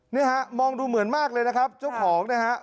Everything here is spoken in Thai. นี่ฮะมองดูเหมือนมากเลยนะครับเจ้าของนะฮะ